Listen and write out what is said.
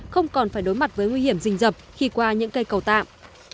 không còn phải đối mặt với nguy hiểm rình dập khi qua những cây cầu tạm